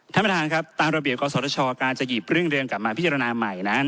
ท่านประธานครับตามระเบียบกศชการจะหยิบเรื่องเรืองกลับมาพิจารณาใหม่นั้น